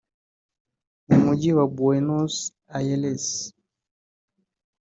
mu mujyi wa Buenos Aires